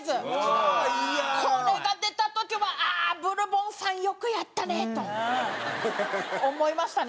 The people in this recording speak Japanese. これが出た時はああブルボンさんよくやったね！と思いましたね。